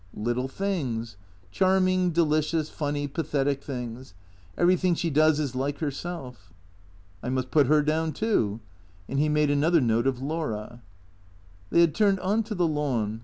Little things. Charming, delicious, funny, pathetic things. Everything she does is like herself." " I must put her down too." And he made another note of Laura. They had turned on to the lawn.